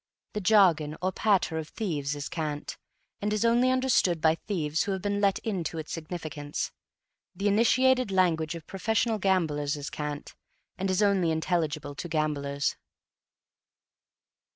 The jargon, or patter, of thieves is cant and it is only understood by thieves who have been let into its significance; the initiated language of professional gamblers is cant, and is only intelligible to gamblers.